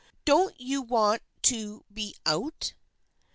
Don't you want to be out